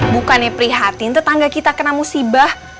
bukannya prihatin tetangga kita kena musibah